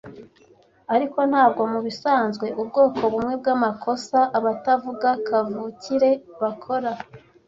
ariko ntabwo mubisanzwe ubwoko bumwe bwamakosa abatavuga kavukire bakora.